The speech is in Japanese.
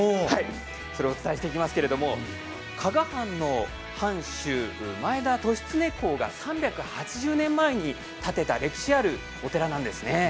それをお伝えしていきますけれども加賀藩の藩主、前田利常公が３８０年前に建てた歴史あるお寺なんですね。